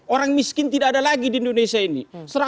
orang miskin tidak ada lagi di indonesia ini